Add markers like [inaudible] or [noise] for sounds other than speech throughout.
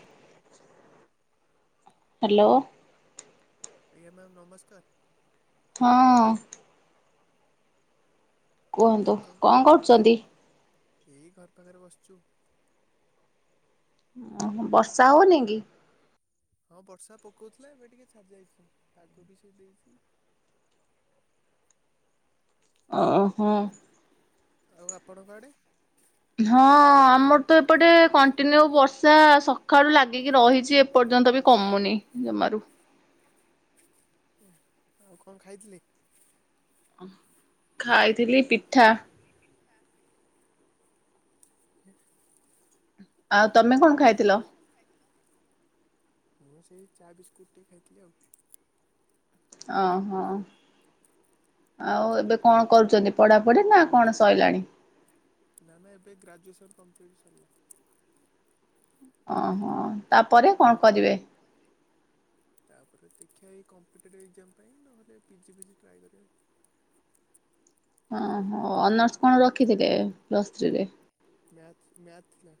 ଆଉ ହ୍ୟାଲୋ। ଆଜ୍ଞା ମ୍ୟାମ୍ ନମସ୍କାର। ହଁ। କୁହନ୍ତୁ ମ୍ୟାମ୍ କଣ କଁ ମ୍ୟାମ୍ କରୁଚନ୍ତି? ଏଇ ଘର୍ ପାଖରେ ବସଚୁ। ଓ ହୋ ବର୍ଷା ହଉନି କି? ହଁ ବର୍ଷା ପକଉଥିଲା ଏବେ ଟିକେ ଛାଡି ଯାଇଛି ପାଗ ବି ସିଏ ଦେଇଛି। ଅଁ ହଁ। ଆଉ ଆପଣଙ୍କ ଆଡେ? ହଁ ଆମର ତ ଏପଟେ କଣ୍ଟିନ୍ୟୁ ବର୍ଷା ସଖାଳୁ ଲାଗିକି ରହିଛି ଏପ୍ ଏପର୍ଯ୍ୟନ୍ତ ବି କମୁନି ଜମାରୁ। ଆଉ କଁ ଖାଇଥିଲେ? ଅଁ ଖାଇଥିଲି ପିଠା। [unintelligible] ଆଉ ତମେ କଣ ଖାଇଥିଲ? ଖାଇଥିଲ ମୁଁ ସେଇ ଚା ବିସ୍କୁଟ ଟିକେ ଖାଇଥିଲି ଆଉ। ଅଁହୋ। ଆଉ ଏବେ କଣ କରୁଚନ୍ତି ପଢାପଢି ନା କଣ ସଇଲାଣି? ନ ନା ଏବେ ଗ୍ରାଜୁଏସନ୍ କମ୍ପ୍ଲିଟି ସରଲା। ଓହୋ ତାପରେ କଁ କରିବେ? ତାପରେ ଦେଖିବା ଏଇ କମ୍ପିଟେଟିଭ୍ ଏକ୍ଜାମ ପାଇଁ ନହେଲେ ପିଜି ଫିଜି ଟ୍ରାଏ କରିବା। ହଁ ହ ଅନର୍ସ କଣ ରଖିଥିଲେ ପ୍ଲସ୍ ଥ୍ରୀରେ? ମ୍ୟାଥ୍ ମ୍ୟାଥ୍ ଥିଲା।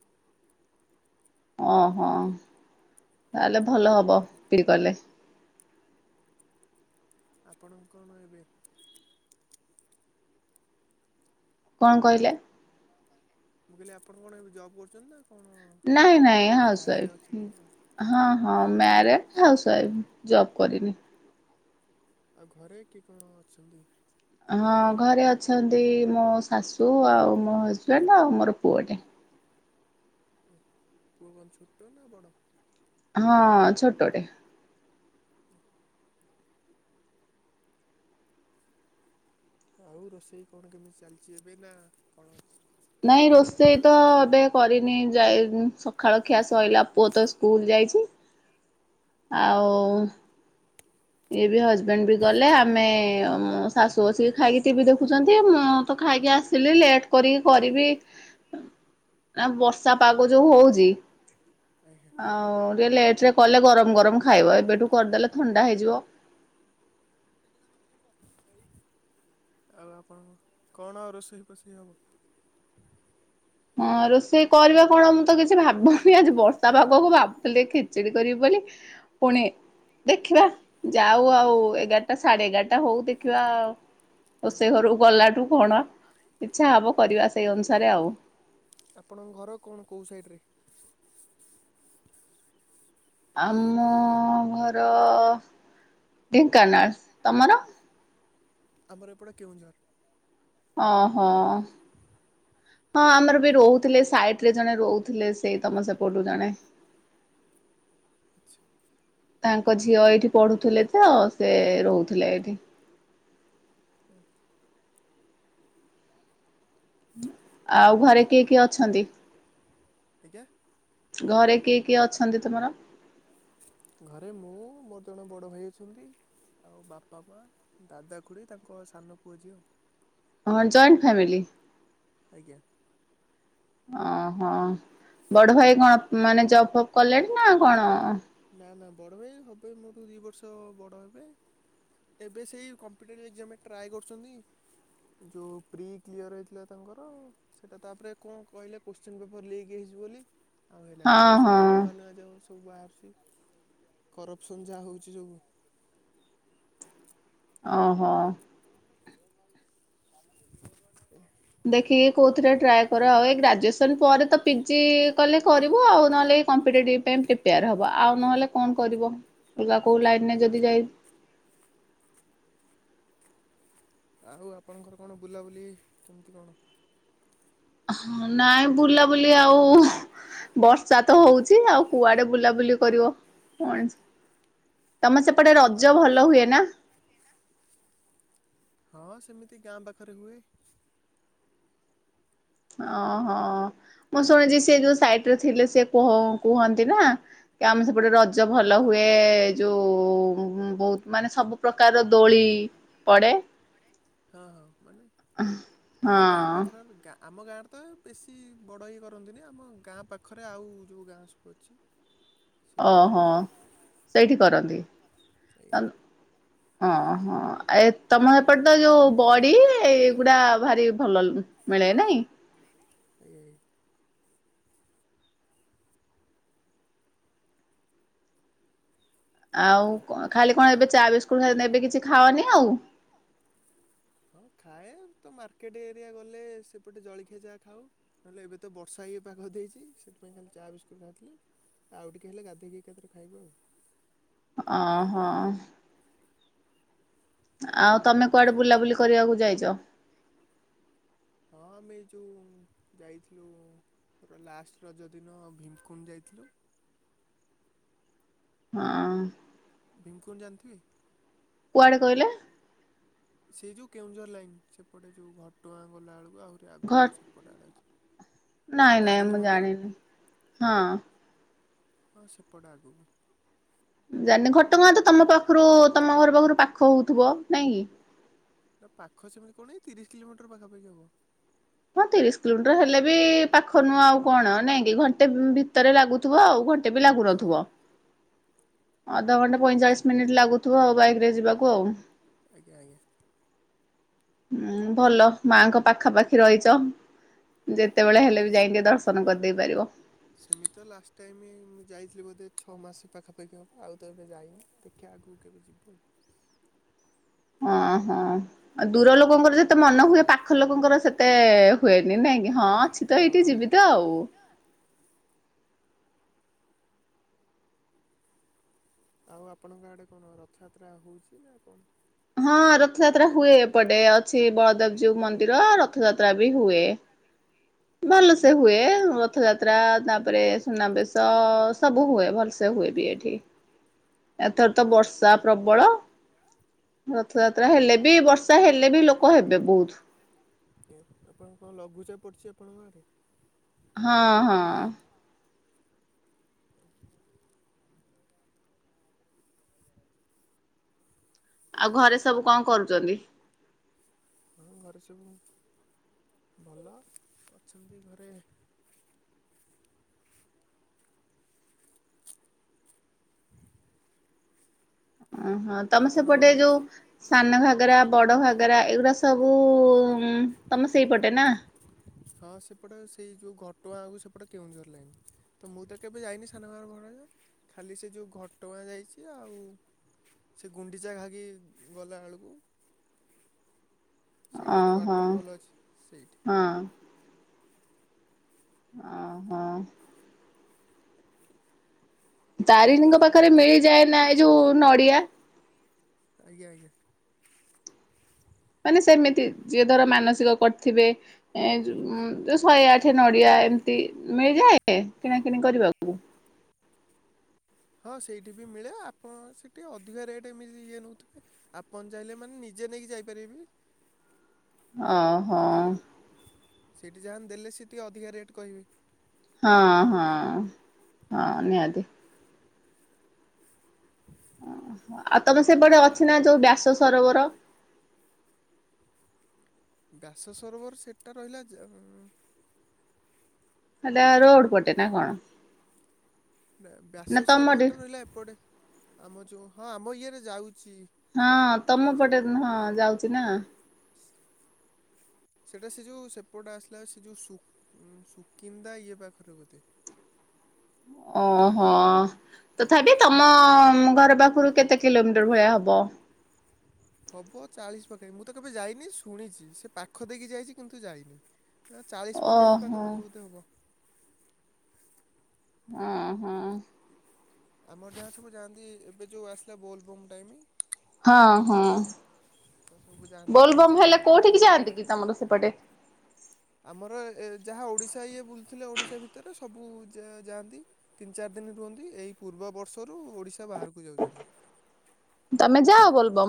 ଓହୋ ତାହେଲେ ଭଲ ହବ ପିଡି କଲେ। ଆପଣଙ୍କ କଣ ଏବେ କଁ କହିଲେ? ମୁଁ କହିଲି ଆପଣ କଣ ଜବ୍ କରୁଚନ୍ତି ନା କଣ ନାଇଁ ନାଇଁ ହାଉସ୍ ମ୍ୟାରେଡ଼୍ ଅଛନ୍ତି ୱାଇଫ୍ କଣ? ହଁ ହଁ ଏ ମ୍ୟାରେଡ୍। ହାଉସ୍ ୱାଇବ୍ ଜବ୍ କରିନି। ଆଉ ଘରେ କିଏ କଣ ଅଛନ୍ତି? ହଁ ଭଲ ଘରେ ସବୁ? ଅଛନ୍ତି ମୋ ଶାଶୁ ଆଉ ମୋ ହଜବ୍ୟାଣ୍ଡ ଆଉ ମୋର ପୁଅଟେ। ଆଜ୍ଞ ପୁଅ କଁ ଛୋଟ ନା ବଡ? ହଁ ଛୋଟଟେ। [unintelligible] ଆଉ ରୋଷେଇ କଣ କେମିତି ଚାଲିଛି ଏବେ ନା କଣ ଅଛି? ନାଇଁ ରୋଷେଇ ତ ଏବେ କରିନି ଯାଇ ଉଁ ସକାଳ ଖିଆ ସିଇଲା ପୁଅ ତ ସ୍କୁଲ ଯାଇଛି। ଆଉ ଇଏ ବି ହଜବେଣ୍ଡ ବି ଗଲେ ଆମେ ଅ ମୋ ଶାଶୁ ବସିକି ଖାଇକି ଟିଭି ଦେଖୁଛନ୍ତି ଆଉ ମୁଁ ମୁଁ ତ ଖାଇକି ଆସିଲି ଲେଟ୍ କରିକି କରିବି। ଆଁ ବର୍ଷା ପାଗ ଯୋଉ ହଉଚି ଆଜ୍ଞା ଆଁ ଆଉ ଟିକେ ଲେଟରେ କଲେ ଗରମ ଗରମ ଖାଇବ ଏବେଠୁ କରିଦେଲେ ଥଣ୍ଡା ହେଇଯିବ। ଆଉ ଆପଣଙ୍କ କଣ ଆଉ ରୋଷେଇ ଫୋଷେଇ ହବ? ହଁ ରୋଷେଇ କରିବା କଣ ମୁଁ ତ କିଛି ଭାବୁନି ଆଜି ବର୍ଷା ପାଗକୁ ଭାବୁଥିଲି ଟିକେ ଖିଚିଡି କରିବି ବୋଲି। ପୁଣି ଦେଖିବା ଯାଉ ଆଉ ଏଗାରଟା ସାଡେ ଏଗାରଟା ହଉ ଦେଖିବା ଆଉ। ରୋଷେଇ ଘରୁକୁ ଗଲାଠୁ କଣ ଇଛା ହବ କରିବା ସେଇ ଅନୁସାରେ ଆଉ। ଆପଣଙ୍କ ଘର କଣ କୋଉ ସାଇଟରେ? [inaudible] ଆମ ଘର ଢେଙ୍କାନାଳ ତମର? ଆମର ଏପଟେ କେଉଁଝର। ଓହୋ। ହଁ ଆମର ବି ରହୁଥିଲେ ସାଇଟ୍ ରେ ଜଣେ ରହୁଥିଲେ ସେଇ ତମ ସେପଟୁ ଜଣେ। ଆଚ୍ଛା ତାଙ୍କ ଝିଅ ଏଇଠି ପଢ଼ୁଥିଲେ ତ ସେ ରହୁଥିଲେ ଏଇଠି। ଆଉ ଘରେ କିଏ କିଏ ଅଛନ୍ତି? ଆଜ୍ଞା। ଘରେ କିଏ କିଏ ଅଛନ୍ତି ତୁମର? ଘରେ ମୁଁ ମୋର ଜଣେ ବଡ଼ ଭାଇ ଅଛନ୍ତି। ଆଉ ବାପା ମା ଦାଦା ଖୁଡ଼ି ତାଙ୍କ ସାନ ପୁଅ ଝିଅ। ହଁ ଜଏଣ୍ଟ ଫ୍ୟାମିଲି। ଆଜ୍ଞା। ଓହୋ ବଡ଼ ଭାଇ କଣ ମାନେ ଜବ୍ ଫପ୍ କଲେଣି ନା କଣ? ନା ନା ବଡ଼ ଭାଇ ହବେ ମୋଠୁ ଦି ବର୍ଷ ବଡ଼ ହେବେ। ଏବେ ସେଇ କମ୍ପିଟେଟିଭ୍ ଏକ୍ଜାମରେ ଟ୍ରାଏ କରୁଛନ୍ତି। ଯେଉଁ ପ୍ରି କ୍ଲିୟର ହେଇଥିଲା ତାଙ୍କର। ସେଇଟା ତାପରେ କଣ କହିଲେ କୋଶ୍ଚିନ୍ ପେପର୍ ଲିକ୍ ହେଇଛିି ବୋଲି। ଆଉ ହେଲାନି ହଁ ଏବେ ହଁ ସବୁ ନୂଆ ନୂଆ ଯଉ ସବୁ ବାହାରୁଛି କରପସନ୍ ଯାହା ହଉଛି ସବୁ। ଆ ହୋ। [inaudible] ଦେଖିକି କୋଉଥିରେ ଟ୍ରାଏ କର ଆଉ ଏ ଗ୍ରାଜୁଏସନ ପରେ ତ ପିଜି କଲେ କରିବ ଆଉ ନହେଲେ ଏଇ କମ୍ପି ଟେଟିବ ପାଇଁ ପ୍ରିପେୟାର ହବ ଆଉ ନହେଲେ କଣ କରିବ। ଅଲଗା କୋଉ ଲାଇନ୍ ରେ ଯଦି ଯାଇ ଆଉ ଆପଣଙ୍କର କଣ ବୁଲାବୁଲି କେମିତି କଣ? ହ ନାଇଁ ବୁଲାବୁଲି ଆଉ ବର୍ଷା ତ ହଉଛି ଆଉ କୁଆଡ଼େ ବୁଲାବୁଲି କରିବ ମଣିଷ। ତମ ସେପଟେ ରଜ ଆଉ ଭଲ ହୁଏ ନା? ହଁ ସେମିତି ଗାଁ ପାଖରେ ହୁଏ। ଓହୋ ମୁଁ ଶୁଣିଛି ସେ ଯୋଉ ସାଇଟ୍ ରେ ଥିଲେ ସେ କୁହନ୍ତି ନା କି ଆମେ ସେପଟେ ରଜ ଭଲ ହୁଏ ଯୋଉ ବହୁତ ମାନେ ସବୁ ପ୍ରକାରର ଦୋଳି ପଡ଼େ ହଁ ହଁ ମାନେ ହଁ ଆମ ଗାଁ ପାଖରେ ଗାଁ ଆମ ଗାଁରେ ତ ବେଶୀ ବଡ଼ ଇଏ କରନ୍ତିନି। ଆମ ଗାଁ ପାଖରେ ଆଉ ଯୋଉ ଗାଁ ସବୁ ଅଛି। [inaudible] ଓହ କରନ୍ତି ସେଇଠି କରନ୍ତି ଆଜ୍ଞା [unintelligible] ହଁ ହଁ ଆ ଏ ତମ ହେପଟେ ତ ଯୋଉ ବଡ଼ି ଏଗୁଡ଼ା ଭାରି ଭଲ ମିଳେ ନାଇଁ? [unintelligible] ଆଉ କଣ ଖାଲି କଣ ଏବେ ଚା ବିସ୍କୁଟ [unintelligible] କିଛି ଖାଅନି ଆଉ? ହଁ ଖାଏ ତ ମାର୍କେଟ ଏରିଆ ଗଲେ ସେପଟେ ଜଳଖିଆ ଯାହା ଖାଉ। ନହେଲେ ଏବେ ତ ବର୍ଷା ହେଇ ପାଗ ଦେଇଛି ସେଥିପାଇଁ ଖାଲି ଚାହା ବିସ୍କୁଟ ଖାଇଥିଲୁ। ଆଉ ଟିକେ ହେଲେ ଗାଧେଇକି ଏକାଥେରେ ଖାଇବ ଆଉ। ଓହୋ। ଆଉ ତମେ କୁଆଡ଼େ ବୁଲାବୁଲି କରିବାକୁ ଯାଇଛ? ହଁ ଆମେ ଏ ଯୋଉ ଯାଇଥିଲୁ ପୁରା ଲାଷ୍ଟ ରଜ ଦିନ ଭୀମକୁଣ୍ଡ ଯାଇଥିଲୁ ‌। ହଁ। ଭୀମକୁଣ୍ଡ ଜାଣିଥିବେ? କୁଆଡ଼େ କହିଲେ? ସେଇ ଯୋଉ କେଉଁଝର ଲାଇନ ସେପଟେ ଯୋଉ ଘଟୁଆଁ ଗଲା ବେଳକୁ ଆହୁରି ଘ ଆଗ ସେ ବଢିଆ ଲାଗୁଚି। ନାଇଁ ନାଇଁ ମୁଁ ଜାଣିନି ହଁ। ହଁ ସେପଟେ ଆଗକୁ। ଜାନିନୀ ଘଟଗାଁ ତ ତମ ପାଖରୁ ତମ ଘର ପାଖରୁ ପାଖ ହଉଥିବ ନାଇଁ କି? ନା ପାଖ ସେମିତି କଣ ଏଇ ତିରିଶ କିଲୋମିଟର ପାଖପାଖି ହବ। ହଁ ତିରିଶ କିଲୋମିଟର ହେଲେ ବି ପାଖ ନୁହଁ ଆଉ କଣ ନାଇଁ କି ଘଣ୍ଟେ ଭିତରେ ଲାଗୁ ଥିବ ଆଉ ଘଣ୍ଟେ ବି ଲାଗୁ ହଁ। ନଥିବ। ଅଧଘଣ୍ଟା ପଇଁଚାଳିଶ ମିନିଟ୍ ଲାଗୁଥିବ ଆଉ ବାଇକରେ ଯିବାକୁ ଆଉ। ଆଜ୍ଞା ଆଜ୍ଞା। ହୁଁ ଭଲ ମାଙ୍କ ପାଖାପାଖି ରହିଛ। ଯେତେବେଳେ ହେଲେ ବି ଯାଇ ଟିକେ ଦର୍ଶନ କରିଦେଇ ପାରିବ। ସେମି ତ ଲାଷ୍ଟ ଟାଇମ ମୁଁ ଯାଇଥିଲି ବୋଧେ ଛଅ ମାସ ପାଖାପାଖି ହବ, ଆଉ ତ ଏବେ ଯାଇନି ଦେଖି - ଆଗକୁ କେବେ ଯିବୁ। ହଁ ହଁ। ଦୂର ଲୋକଙ୍କର ଯେତେ ମନ ହୁଏ ପାଖ ଲୋକଙ୍କର ସେତେ ହୁଏନି ନାଇଁ କି ହଁଛି। ତ ଏଇଠି ଯିବି ତ ଆଉ। ଆଉ ଆପଣଙ୍କ ଆଡ଼େ କଣ ରଥଯାତ୍ରା ହଉଛି ନା କଣ? ହଁ ରଥଯାତ୍ରା ହୁଏ ଏପଟେ ଅଛି ବଳଦେବଜୀଉ ମନ୍ଦିର ରଥଯାତ୍ରା ବି ହୁଏ। ଭଲସେ ହୁଏ ରଥଯାତ୍ରା ତାପରେ ସୁନାବେଶ ସବୁ ହୁଏ, ଭଲସେ ହୁଏ ବି ଏଠି। [unintelligible] ଏଥର ତ ବର୍ଷା ପ୍ରବଳ। ରଥଯାତ୍ରା ହେଲେ ବି ବର୍ଷା ହେଲେ ବି ଲୋକ ହେବେ ବହୁତ। ଆ ଆପଣ କଣ ଲଘୁଚାପ ପଡିଛି ଆପଣଙ୍କ ଆଡେ? ହଁ ହଁ। ଆଜି କାଲି [unintelligible] ଆଉ ଘରେ ସବୁ କଣ କରୁଛନ୍ତି? ହଁ ଘରେ ସବୁ ଭଲ ଅଛନ୍ତି ଘରେ। ଓହୋ ତମେ ଆପଣଙ୍କ ସେପଟେ ଘରେ? ଯୋଉ ସାନ ଘାଗରା, ବଡ଼ ଘାଗରା ଏଗୁଡ଼ା ସବୁ ତମ ସେଇପଟେ ନା? ହଁ ସେପଟେ ସେଇ ଯୋଉ ଘଟଆଁ ଆଗକୁ ସେପଟେ କେଉଁଝର ଲାଇନି। ତ ମୁଁ ତ କେବେ ଯାଇନି ସାନ ଘାଗରା ବଡ ଘାଗରା ଖାଲି ସେ ଯଉ ଘଟଗାଁ ଯାଇଛି ଆଉ ସେ ଗୁଣ୍ଡିଚା ଘାଗି ଗଲାବେଳକୁ ସେଇଠି ଗୋଟେ ଓହୋ ୱାଟରଫଲ୍ ଅଛି ସେଇଠି। ହଁ। ଓ ହ। ଆଉ ତ ତାରିଣୀଙ୍କ ଏବେ ପାଖରେ ଯାହା ମିଳିଯାଏ ନା ଏ ଯୋଉ ନଡିଆ? ଆଜ୍ଞା ଆଜ୍ଞା। ମାନେ ସେମିତି ଯିଏ ଧର ମାନସିକ କରିଥିବେ ଏ ଶହେ ଆଠ ନଡିଆ ଏମତି ମିଳିଯାଏ କିଣାକିଣି କରିବାକୁ? ହଁ ସେଇଠି ବି ମିଳେ ଆପଣ ସେଇଠି ଅଧିକା ରେଟ୍ ଏମିତି ଇଏ ନୋଉଥିବେ। ଆପଣ ଚାହିଁଲେ ମାନେ ନିଜେ ନେଇକି ଯାଇପାରିବେ ବି। ଅ ହୋ। ସେଇଠି ଯାହା ଦେଲେ ସେ ଟିକେ ଅଧିକା ରେଟ୍ କହିବେ। ହଁ ହଁ ହଁ ନିହାତି। ଆଉ ତମେ ସେପଟେ ଅଛି ନା ଯୋଉ ବ୍ୟାସ ସରୋବର। ବ୍ୟାସ ସରୋବର ସେଟ୍ଟା ରହିଲା ହେଟା ରୋଡ ପଟେ ନା କଣ? ନା ବ୍ୟାସ ତମରି? ସରବରଟା ରହିଲା ଏପଟେ ଆମ ଯୋଉ ହଁ ଆମ ଇଏରେ ଯାଉଛି। ହଁ ତମ ସେ ପଟେ ହଁ ଯାଉଛି ନା। ସେଇଟା ସେ ଯେଉଁ ସେପଟ ଆସିଲା ସେ ଯେଉଁ ଶୁକିନ୍ଦା ଇଏ ପାଖରେ ବୋଧେ। ଓହୋ। ତଥାପି ତମ ଘର ପାଖରୁ କେତେ କିଲୋମିଟର ଭଳିଆ ହବ? ହବ ଚାଳିଶ ପାଖାପାଖି ମୁଁ ତ କେବେ ଯାଇନି ଶୁଣିଛି ସେ ପାଖ ଦେଇକି ଯାଇଛି କିନ୍ତୁ ଯାଇନି। ନା ଚାଳିଶ ପଇଚାଳିଶ ଓହୋ ପାଖପାଖି ବୋଧେ ହେବ। ହଁ ହଁ। ଆମର ଯାହା ସବୁ ଯାଆନ୍ତି ଏବେ ଯେଉଁ ଆସିଲା ବୋଲବମ୍ ଟାଇମ୍। ହଁ ହଁ ତ ସବୁ ଯାଆନ୍ତି ବୋଲ ବମ୍ ବାହାରକୁ ହେଲେ କୋଉଠିକି ବୁଲାବୁଲି ଯାଆନ୍ତି କରି କି ତମର ସେପଟେ। ଆମର ଯାହା ଓଡ଼ିଶା ଇଏ ବୁଲୁଥିଲେ ଓଡିଶା ଭିତରେ ସବୁ ଯାଆନ୍ତି। ତିନି ଚାରି ଦିନ ରୁହନ୍ତି ଏଇ ପୂର୍ବ ବର୍ଷରୁ ଓଡ଼ିଶା ବାହାରକୁ ଯାଉଛନ୍ତି। ତମେ ଯାଅ ବୋଲବମ।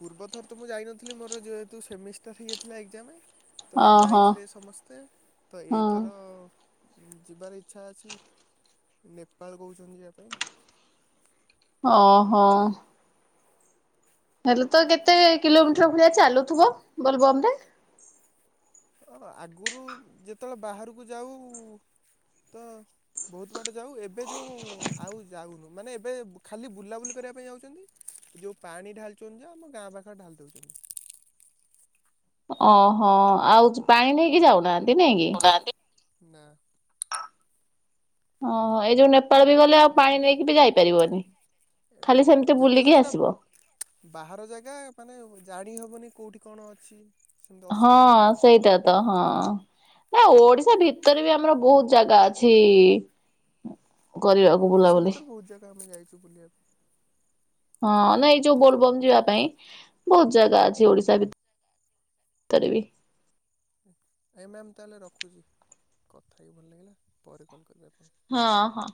ପୂର୍ବ ଥର ତ ମୁଁ ଯାଇନଥିଲି ମୋର ଯେହେତୁ ସେମିଷ୍ଟର ହେଇଯାଇଥିଲା ଏକଜାମ। ତ ଓହୋ ଯାଇଥିଲେ ସମସ୍ତେ ତ ହଁ ଏଇଥର ଯିବାର ଇଚ୍ଛା ଅଛି ନେପାଳ କହୁଛନ୍ତି ଯିବା ପାଇଁା। ହଁ ହଁ। ହେଲେ ତ କେତେ କିଲୋମିଟର ଭଳିଆ ଚାଲୁଥିବ ବୋଲବମ ରେ। ହଁ ଆଗରୁ ଯେତେବେଳେ ବାହାରକୁ ଯାଉ ତ ବହୁତ ବାଟ ଯାଉ ଏବେ ଯଉ ଆଉ ଯାଉନୁ ମାନେ ଏବେ ଖାଲି ବୁଲାବୁଲି କରିବା ପାଇଁ ଯାଉଛନ୍ତି। ଯୋଉ ପାଣି ଢାଲୁଛନ୍ତି ନା ଯେ ଆମ ଗାଁ ପାଖରେ ଢାଲ ଦଉଛନ୍ତି। ଓହୋ ଆଉ ପାଣି ନେଇକି ଯାଉନାହାନ୍ତି ନାଇଁ କି। [inaudible] ଓହୋ ଏଇ ଯୋଉ ନେପାଳ ବି ଗଲେ ଆଉ ପାଣି ନେଇକି ବି ଯାଇପାରିବନି ନା ଖାଲି ସେମିତି ଯେତେହେଲେ ବି ବୁଲିକି ଏଟା ଆସିବ। ବାହାର ଜାଗା ମାନେ ଜାଣିହବନି କୋଉଠି କଣ ଅଛି? ସେମିତି ହଁ ଅସୁବିଧା ହବ। ସେଇଟା। ତ ହଁ ଓଡିଶା ଭିତରେ ବି ଆମର ବହୁତ ଜାଗା ଅଛି କରିବାକୁ ଓଡ଼ିଶା ବୁଲାବୁଲି। ଭିତରେ ବହୁତ ଜାଗା ଆମେ ଯାଇଛୁ ବୁଲିବା ପାଇଁ। ହଁ ନାଇଁ ଯୋଉ ବୋଲବମ ଯିବା ପାଇଁ ବହୁତ ଜାଗା ଅଛି ଆଜ୍ଞା ଓଡିଶା ଭିତରେ। ତରି ବି। ନାଇଁ ମ୍ୟାମ୍ ତାଲେ ରଖୁଛି କଥା ହେଇକି ଭଲ ଲାଗିଲା ପରେ କଲ୍ କରିବି ଆପଣ ହଁ ହଁ